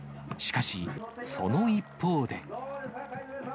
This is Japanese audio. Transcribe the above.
しかし、その一方で。